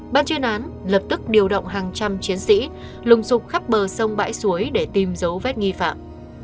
ban chuyên án lập tức điều động hàng trăm chiến sĩ lùng rục khắp bờ sông bãi suối để tìm dấu vết nghi phạm